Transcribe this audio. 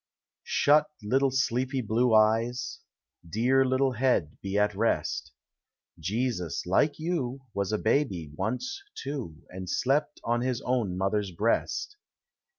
Shut, little sleepy blue eyes; Dear little head, be at rest; Jesus, like you. Was a baby once, too, And slept on his own mother's breast.